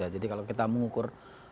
jadi kalau kita mengukur